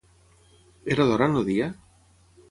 Era d'hora en el dia?